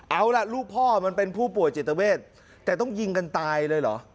เอาล่ะลูกพ่อมันเป็นผู้ป่วยจิตเวทแต่ต้องยิงกันตายเลยเหรอ